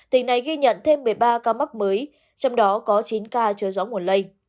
tỉnh này ghi nhận thêm một mươi ba ca mắc mới trong đó có chín ca chưa rõ nguồn lây